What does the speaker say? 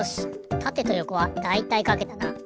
たてとよこはだいたいかけたな。